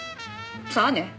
さあね。